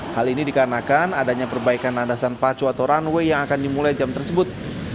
hal ini dikarenakan adanya perbaikan landasan pacu atau runway yang akan dimulai jam tersebut